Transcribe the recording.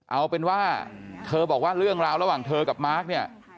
เอาเป็นว่าเธอบอกว่าเรื่องราวระหว่างเธอกับมาร์คเนี่ย